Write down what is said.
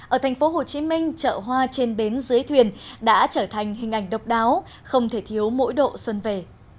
ở thành phố hồ chí minh chợ hoa trên bến dưới thuyền đã trở thành hình ảnh độc đáo không thể thiếu mỗi độ xuân về